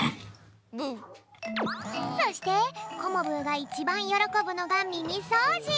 そしてコモブーがいちばんよろこぶのがみみそうじ。